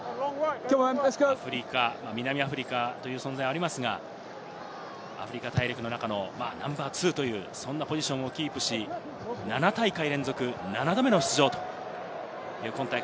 南アフリカという存在はありますが、アフリカ大陸の中のナンバー２というポジションをキープし、７大会連続７度目の出場。